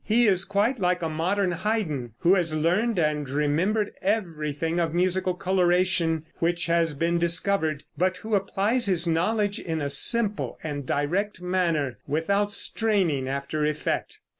He is quite like a modern Haydn, who has learned and remembered everything of musical coloration which has been discovered, but who applies his knowledge in a simple and direct manner without straining after effect.